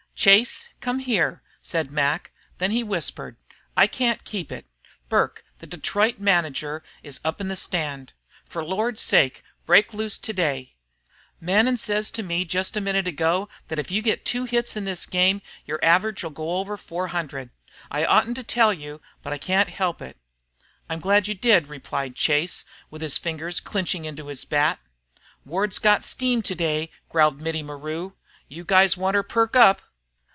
"Chase, come here," said Mac; then he whispered, "I can't keep it. Burke, the Detroit manager, is up in the stand. For Lord's sake, break loose today. Mannin' sez to me jest a minute ago thet if you git two hits in this game your average 'll go over 400. I oughtn't to tell you, but I can't help it." "I'm glad you did," replied Chase, with his fingers clenching into his bat. "Ward's got steam today," growled Mittie maru. "You guys want 'er perk up!"